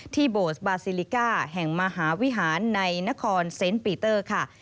โบสบาซิลิก้าแห่งมหาวิหารในนครเซนต์ปีเตอร์ค่ะ